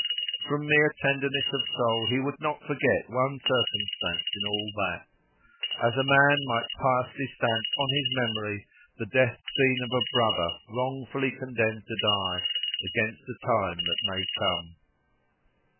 From mere tenderness of soul he would not forget one circumstance in all that; as a man might piously stamp on his memory the death scene of a brother wrongfully condemned to die, against a time that may come.